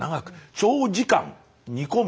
長時間煮込む。